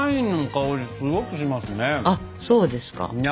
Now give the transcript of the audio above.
あっそうですか？